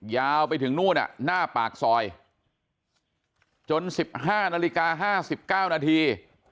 ยาวไปถึงนู่นหน้าปากซอยจน๑๕นาฬิกา๕๙นาที